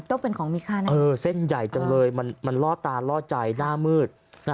ต้องเป็นของมีค่านะเออเส้นใหญ่จังเลยมันล่อตาล่อใจหน้ามืด